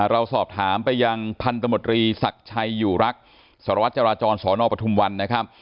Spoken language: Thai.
เราสอบถามไปยังพันธมตรีศักดิ์ชัยอยู่รักสารวัตรจราจรสนปทุมวันนะครับ